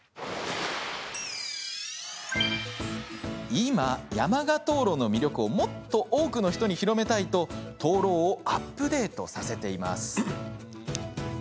今、山鹿灯籠の魅力をもっと多くの人に広めたいと灯籠をアップデートさせています。